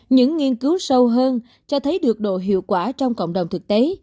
những nghiên cứu sâu hơn cho thấy được độ hiệu quả trong cộng đồng thực tế